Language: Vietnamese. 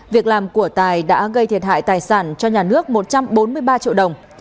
việc làm của tài đã gây thiệt hại tài sản cho nhà nước một trăm bốn mươi ba triệu đồng